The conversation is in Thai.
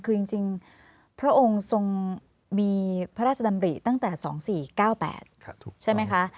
คือจริงพระองค์ทรงมีพระราชดำริตั้งแต่๒๔๙๘ใช่ไหมคะ